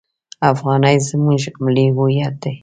افغانۍ زموږ ملي هویت ده!